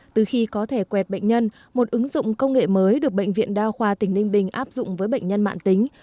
từ khi có thể quẹt bệnh nhân một ứng dụng công nghệ mới được bệnh viện đa khoa tỉnh ninh bình áp dụng với bệnh nhân mạng tính